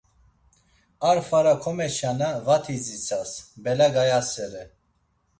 Ar fara komeçana, vati ditzas, bela gayasere.